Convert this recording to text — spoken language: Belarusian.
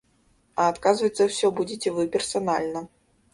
А адказваць за ўсё будзеце вы персанальна.